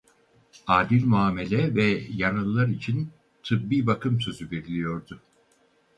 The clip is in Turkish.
Adil muamele ve yaralılar için tıbbi bakım sözü veriliyordu.